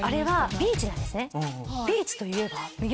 ビーチといえば。